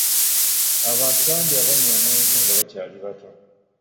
Abantu bangi abanywa omwenge nga bakyali bato.